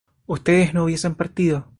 ustedes no hubiesen partido